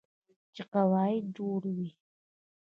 چې قواعد جوړوي.